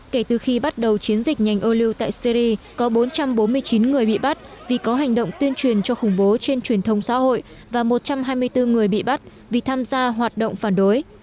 kể từ khi bắt đầu chiến dịch ngành ô lưu tại syri có bốn trăm bốn mươi chín người bị bắt vì có hành động tuyên truyền cho khủng bố trên truyền thông xã hội và một trăm hai mươi bốn người bị bắt vì tham gia hoạt động phản đối